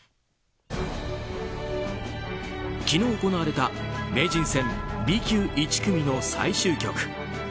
昨日行われた名人戦Ｂ級１組の最終局。